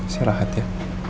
saya rahat ya